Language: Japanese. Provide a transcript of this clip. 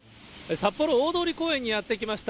札幌大通り公園にやって来ました。